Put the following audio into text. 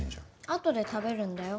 あとで食べるんだよ。